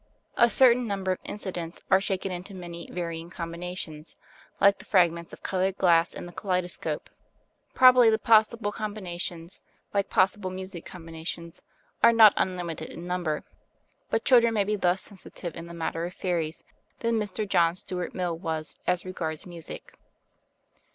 A certain number of incidents are shaken into many varying combinations, like the fragments of coloured glass in the kaleidoscope. Probably the possible combinations, like possible musical combinations, are not unlimited in number, but children may be less sensitive in the matter of fairies than Mr. John Stuart Mill was as regards music.